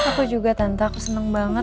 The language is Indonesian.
aku juga tante aku senang banget